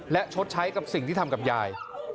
และชดใช้กับสิ่งที่ทำกับยาย